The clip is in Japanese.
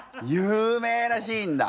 有名なシーンだ。